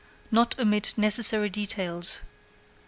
Not omit necessary details.